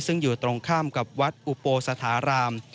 ซึ่งอยู่ตรงข้ามกับวัดอุโปสถาราม